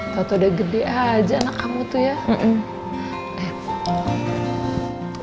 tau tau udah gede aja anak kamu tuh ya